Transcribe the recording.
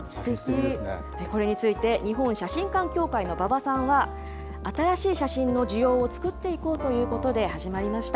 これについて、日本写真館協会の馬場さんは、新しい写真の需要を作っていこうということで始まりました。